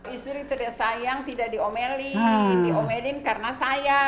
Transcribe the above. istri terdesayang tidak diomelin diomelin karena sayang